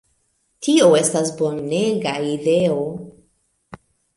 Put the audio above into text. Tio estas bonega ideo!"